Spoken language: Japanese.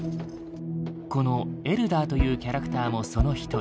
このエルダーというキャラクターもその一人。